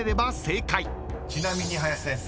［ちなみに林先生